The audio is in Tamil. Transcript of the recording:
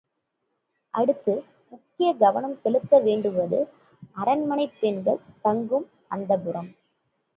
அடுத்து முக்கிய கவனம் செலுத்த வேண்டுவது அரண்மனைப் பெண்கள் தங்கும் அந்தப்புரம்.